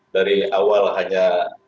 dari awal hanya